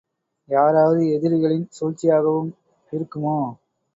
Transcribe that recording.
யாராவது எதிரிகளின் சூழ்ச்சியாகவும் இருக்குமோ?.